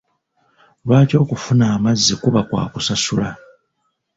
Lwaki okufuna amazzi kuba kwa kusasula?